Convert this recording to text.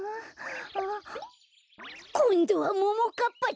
こんどはももかっぱちゃんだ！